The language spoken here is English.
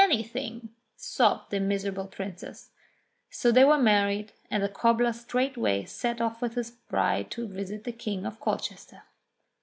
Anything!" sobbed the miserable princess. So they were married, and the cobbler straightway set off with his bride to visit the King of Colchester.